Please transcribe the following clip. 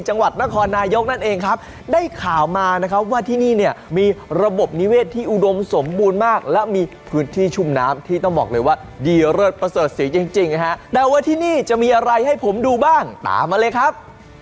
จังหวัดนครนายกนั่นเองครับได้ข่าวมานะครับว่าที่นี่เนี่ยมีระบบนิเวศที่อุดมสมบูรณ์มากและมีพื้นที่ชุ่มน้ำที่ต้องบอกเลยว่าดีเลิศประเสริฐศรีจริงนะฮะแต่ว่าที่นี่จะมีอะไรให้ผมดูบ้างตามมาเลยครับ